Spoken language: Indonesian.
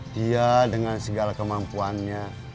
dia dengan segala kemampuannya